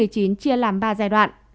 chia làm ba giai đoạn